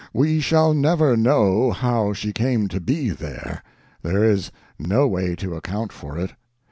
We shall never know how she came to be there; there is no way to account for it.